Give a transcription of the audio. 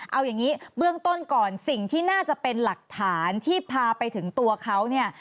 เอาอย่างนี้เบื้องต้นก่อนสิ่งที่น่าจะเป็นหลักฐานที่พาไปถึงตัวเขาเนี่ย